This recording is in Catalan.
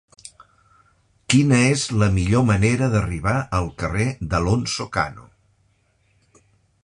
Quina és la millor manera d'arribar al carrer d'Alonso Cano?